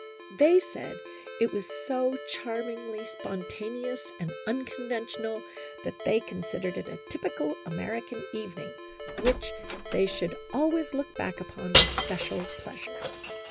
They said it was so charmingly spontaneous and uncon ventional that they considered it a typical American evening, which they should always look back upon with special pleasure.